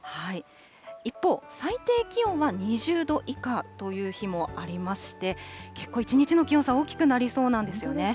一方、最低気温は２０度以下という日もありまして、結構一日の大きくなりそうなんですよね。